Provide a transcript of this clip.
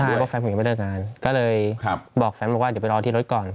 ใช่เพราะว่าแฟนไม่ได้เลือกงานก็เลยบอกแฟนว่าเดี๋ยวไปรอที่รถก่อน